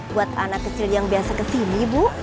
buat anak kecil yang biasa kesini bu